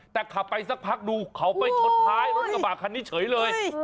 แต่ขับไปสักพักดูเขาไปชนท้ายรถกระบาดคันนี้เฉยเลย